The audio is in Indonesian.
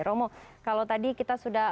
romo kalau tadi kita sudah